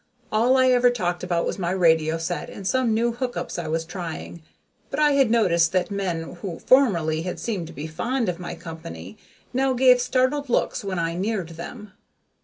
All I ever talked about was my radio set and some new hook ups I was trying, but I had noticed that men who formerly had seemed to be fond of my company now gave startled looks when I neared them.